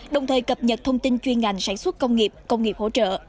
đồng thời cập nhật thông tin chuyên ngành sản xuất công nghiệp công nghiệp hỗ trợ